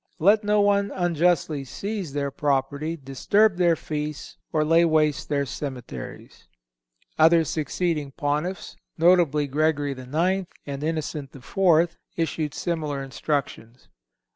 Let no one unjustly seize their property, disturb their feasts, or lay waste their cemeteries." Other succeeding Pontiffs, notably Gregory IX. and Innocent IV., issued similar instructions.